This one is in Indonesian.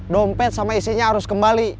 dompet sama isinya harus kembali